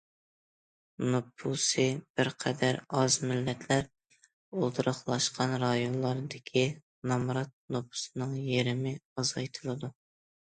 نوپۇسى بىر قەدەر ئاز مىللەتلەر ئولتۇراقلاشقان رايونلاردىكى نامرات نوپۇسنىڭ يېرىمى ئازايتىلىدۇ.